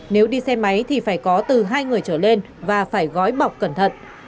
nếu đi xe máy thì phải có từ hai người trở lên và phải gói bọc cẩn thận